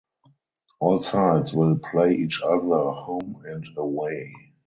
All sides will play each other home and away.